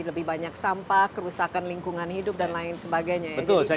lebih banyak sampah kerusakan lingkungan hidup dan lain sebagainya ya